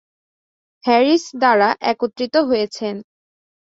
Harris দ্বারা একত্রিত হয়েছেন।